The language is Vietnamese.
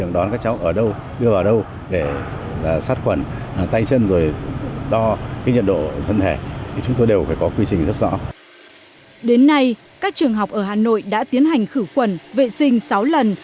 đến nay các trường học ở hà nội đã tiến hành khử khuẩn vệ sinh sáu lần